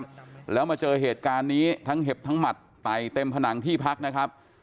แล้วมาเจอเหตุการณ์นี้ทั้งเห็บทั้งหมัดไตเต็มผนังที่พักนะครับ